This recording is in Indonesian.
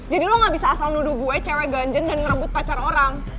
lo gak bisa asal nuduh gue cewek ganjan dan ngerebut pacar orang